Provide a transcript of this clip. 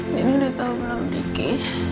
nino udah tau belum diki